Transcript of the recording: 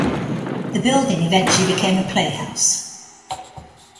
The building eventually became a playhouse.